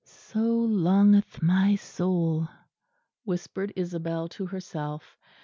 "So longeth my soul," whispered Isabel to herself.